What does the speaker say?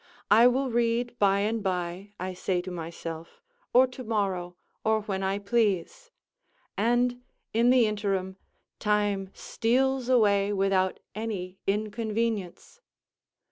I will read by and by, say I to myself, or to morrow, or when I please; and in the interim, time steals away without any inconvenience.